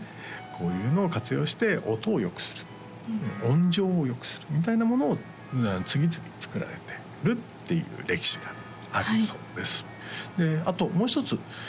こういうのを活用して音をよくする音場をよくするみたいなものを次々に作られてるっていう歴史があるそうですであともう一つ